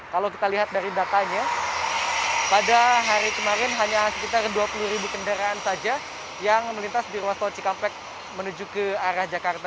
kalau kita lihat dari datanya pada hari kemarin hanya sekitar dua puluh ribu kendaraan saja yang melintas di ruas tol cikampek menuju ke arah jakarta